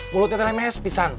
mulutnya telemes pisang